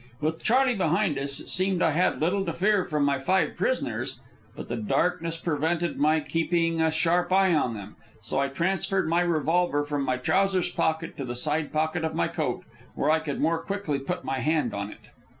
With Charley behind us, it seemed I had little to fear from my five prisoners; but the darkness prevented my keeping a sharp eye on them, so I transferred my revolver from my trousers pocket to the side pocket of my coat, where I could more quickly put my hand on it.